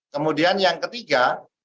kemudian yang ketiga